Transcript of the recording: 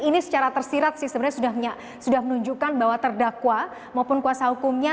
ini secara tersirat sih sebenarnya sudah menunjukkan bahwa terdakwa maupun kuasa hukumnya